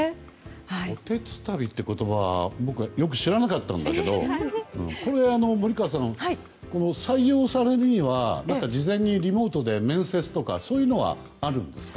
おてつたびっていう言葉は僕よく知らなかったんだけど森川さん、採用されるには事前にリモートで面接とかそういうのがあるんですか？